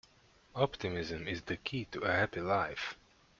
Optimism is the key to a happy life.